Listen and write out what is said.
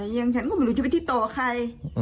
อย่างฉันก็ไม่รู้จะไปที่ต่อใคร